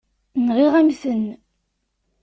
Nɣiɣ-am-ten.